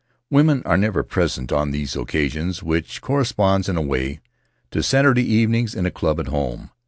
Women are never present on these occasions, which correspond, in a way, to Saturday evenings in a club at home.